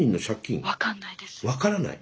分からない？